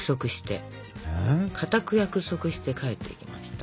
固く約束して帰っていきました。